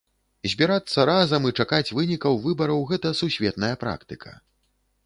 Збірацца разам і чакаць вынікаў выбараў гэта сусветная практыка.